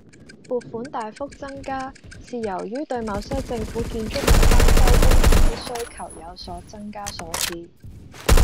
撥款大幅增加，是由於對某些政府建築物翻修工程的需求有所增加所致